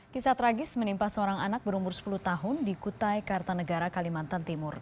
kisah tragis menimpa seorang anak berumur sepuluh tahun di kutai kartanegara kalimantan timur